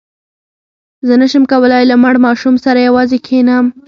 زه نه شم کولای له مړ ماشوم سره یوازې کښېنم.